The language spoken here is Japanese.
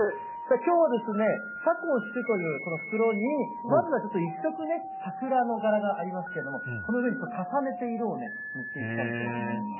きょうはサコッシュというこの袋に、まずはちょっと１色ね、桜の柄がありますけれども、この上にちょっと重ねて色をね、塗っていきたいと思います。